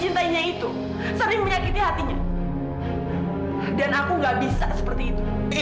ini ini ini kamu jangan aneh aneh ini